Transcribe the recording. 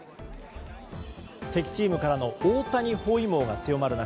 敵チームからの大谷包囲網が強まる中